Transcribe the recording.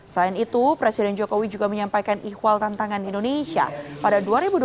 selain itu presiden jokowi juga menyampaikan ikhwal tantangan indonesia pada dua ribu dua puluh